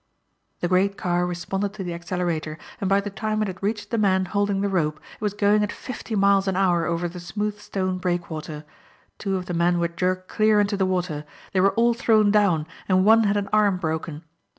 The great car responded to the accelerator and by the time it had reached the men holding the rope it was going at fifty miles an hour over the smooth stone breakwater. Two of the men were jerked clear into the water. They were all thrown down and one had an arm broken.